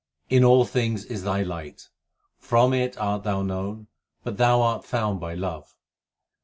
In all things is Thy light ; from it art Thou known, but Thou art found by love.